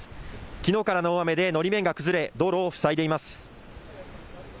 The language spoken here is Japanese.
きのうからの大雨でのり面が崩れ道路を塞いでいます。